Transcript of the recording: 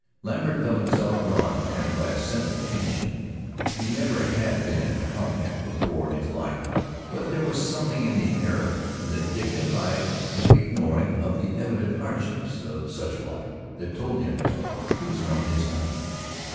Lambert felt himself drawn to them by a sense of kinship. He never had been in a cow camp before in his life, but there was something in the air of it, in the dignified ignoring of the evident hardships of such a life that told him he was among his kind.